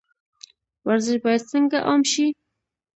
ورزش باید څنګه عام شي؟